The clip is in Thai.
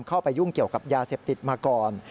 เข้าไปยุ่งเกี่ยวกับยาเสพติดมาก่อน